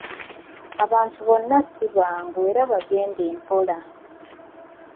Abantu bonna si bangu era bagende mpola.